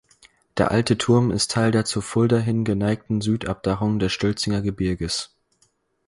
Der "Alte Turm" ist Teil der zur Fulda hin geneigten Südabdachung des Stölzinger Gebirges.